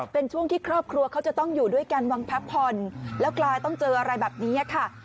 เป็นช่วงที่ครอบครัวเขาจะต้องอยู่ด้วยกันวางพักผ่อนแล้วกลายต้องเจออะไรแบบนี้ค่ะ